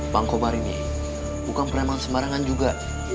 bang koba ini bukan perempuan sembarangan juga